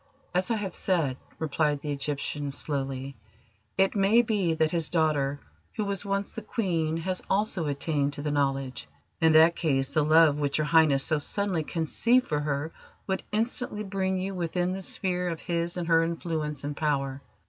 "As I have said," replied the Egyptian slowly, "it may be that his daughter, who was once the Queen, has also attained to the Knowledge. In that case the love which Your Highness so suddenly conceived for her would instantly bring you within the sphere of his and her influence and power.